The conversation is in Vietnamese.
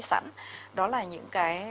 sẵn đó là những cái